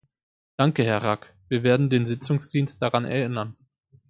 Danke, Herr Rack, wir werden den Sitzungsdienst daran erinnern.